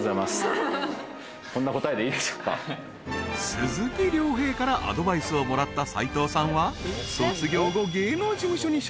［鈴木亮平からアドバイスをもらった斉藤さんは卒業後］